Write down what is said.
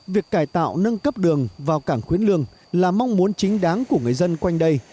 việc cải tạo nâng cấp đường vào cảng khuyến lương là mong muốn chính đáng của người dân quanh đây